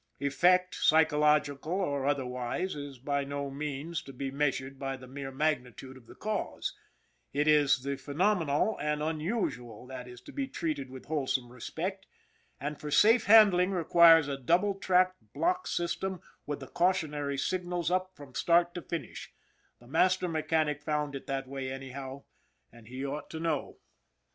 Effect, psy chological or otherwise, is by no manner of means to be measured by the mere magnitude of the cause, it is the phenomenal and unusual that is to be treated with wholesome respect, and for safe handling requires a double tracked, block system with the cautionary signals up from start to finish the master me chanic found it that way anyhow, and he ought to know.